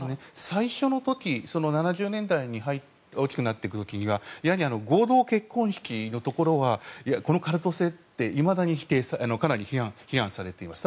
最初、７０年代に大きくなっていく時には合同結婚式のところはカルト性はかなり批判されています。